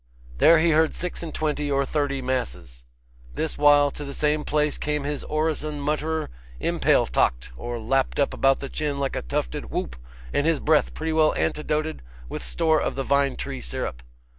There he heard six and twenty or thirty masses. This while, to the same place came his orison mutterer impaletocked, or lapped up about the chin like a tufted whoop, and his breath pretty well antidoted with store of the vine tree syrup.